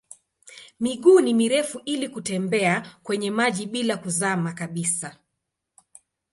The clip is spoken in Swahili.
Miguu ni mirefu ili kutembea kwenye maji bila kuzama kabisa.